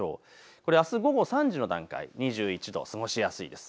これはあす午後３時の段階、２１度、過ごしやすいです。